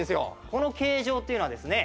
この形状というのはですね